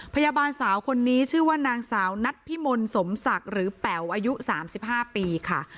พยาบาลสาวคนนี้ชื่อว่านางสาวนัดพิมลสมศักดิ์หรือแป๋วอายุ๓๕ปีค่ะ